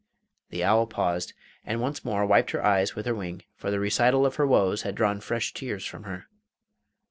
The owl paused, and once more wiped her eyes with her wing, for the recital of her woes had drawn fresh tears from her.